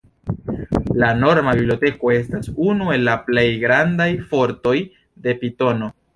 La norma biblioteko estas unu el la plej grandaj fortoj de Pitono.